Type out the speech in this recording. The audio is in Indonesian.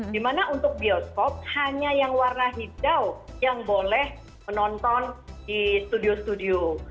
dimana untuk bioskop hanya yang warna hijau yang boleh menonton di studio studio